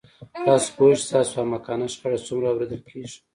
تاسو پوهیږئ چې ستاسو احمقانه شخړه څومره اوریدل کیږي